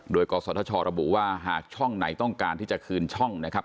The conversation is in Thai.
โดยกศธชระบุว่าหากช่องไหนต้องการที่จะคืนช่องนะครับ